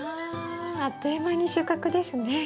ああっという間に収穫ですね。